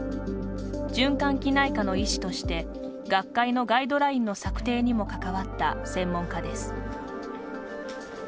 循環器内科の医師として、学会のガイドラインの策定にも関わった専門家です。